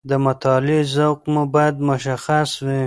د مطالعې ذوق مو باید مشخص وي.